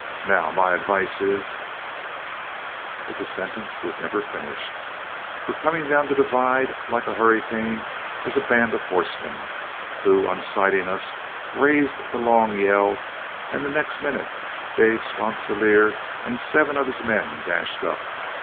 Now, my advice is " But the sentence was never finished, for coming down the divide like a hurricane was a band of horsemen, who, on sighting us, raised the long yell, and the next minute Dave Sponsilier and seven of his men dashed up.